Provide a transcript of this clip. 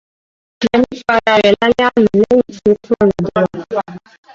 Rẹ̀mí pa ara rẹ̀ lálé àná lẹ́yìn tí ó kúrò lọ́dọ̀ wá.